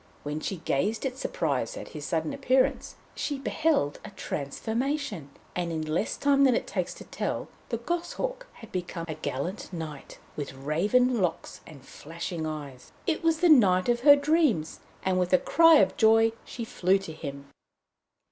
While she gazed in surprise at his sudden appearance, she beheld a transformation, and in less time than it takes to tell, the goshawk had become a gallant knight, with raven locks and flashing eyes. It was the knight of her dreams, and with a cry of joy she flew to him.